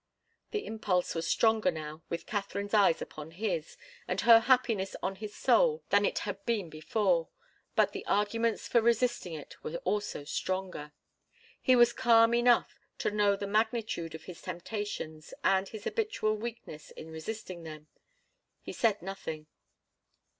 The impulse was stronger now, with Katharine's eyes upon his, and her happiness on his soul, than it had been before. But the arguments for resisting it were also stronger. He was calm enough to know the magnitude of his temptations and his habitual weakness in resisting them. He said nothing.